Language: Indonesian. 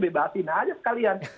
bebatin aja sekalian